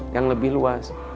yang lebih luas